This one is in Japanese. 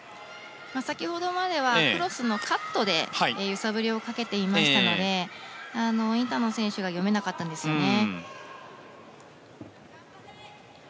先ほどまではクロスのカットで揺さぶりをかけていましたのでインタノン選手が読めなかったんですよね。